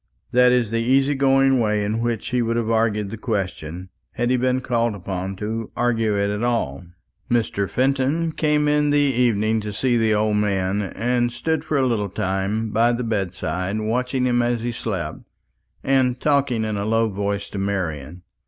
That is the easy going way in which he would have argued the question, had he been called upon to argue it at all. Mr. Fenton came in the evening to see the old man, and stood for a little time by the bedside watching him as he slept, and talking in a low voice to Marian.